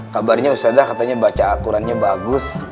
kabarnya ustadz katanya bacaan kurannya bagus